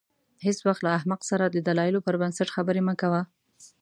هېڅ وخت له احمق سره د دلایلو پر بنسټ خبرې مه کوه.